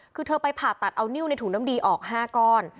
คือเธอไปผ่าตัดเอานิ้วในถุงน้ำดีออก๕ก้อน